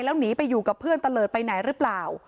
แล้วหนีไปอยู่กับเพื่อนตะเลิศไปไหนหรือเปล่า